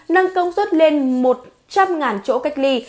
nâng công suất lên một trăm linh chỗ cách ly